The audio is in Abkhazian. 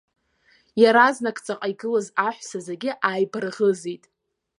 Иаразнак ҵаҟа игылаз аҳәса зегьы ааибарӷызит.